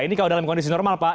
ini kalau dalam kondisi normal pak